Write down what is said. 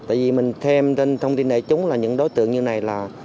tại vì mình thêm thông tin đề chúng là những đối tượng như này là